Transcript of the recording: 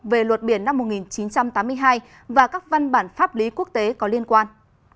về luật biển năm một nghìn chín trăm tám mươi hai và các văn bản pháp lý quốc tế có liên quan